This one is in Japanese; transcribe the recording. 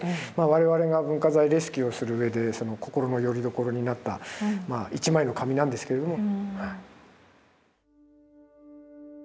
我々が文化財レスキューをするうえで心のよりどころになった一枚の紙なんですけれども。